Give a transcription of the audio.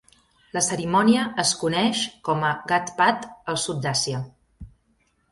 La cerimònia es coneix com a "ghat-pat" al sud d'Àsia.